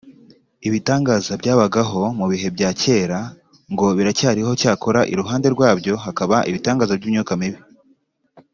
Ibitangaza byabagaho mu bihe bya kera ngo biracyariho cyakora iruhande rwabyo hakaba ibitangaza by’imyuka mibi